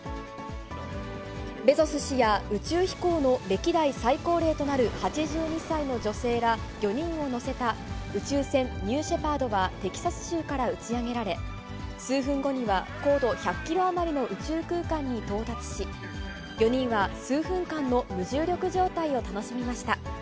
ベゾス氏や宇宙飛行の歴代最高齢となる８２歳の女性ら４人を乗せた宇宙船ニューシェパードは、テキサス州から打ち上げられ、数分後には高度１００キロ余りの宇宙空間に到達し、４人は数分間の無重力状態を楽しみました。